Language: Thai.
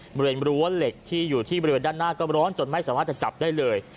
บริเวณรั้วเหล็กที่อยู่ที่บริเวณด้านหน้าก็ร้อนจนไม่สามารถจะจับได้เลย